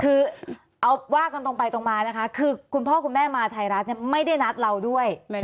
คือเอาว่ากันตรงไปตรงมานะคะคือคุณพ่อคุณแม่มาไทยรัฐไม่ได้นัดเราด้วย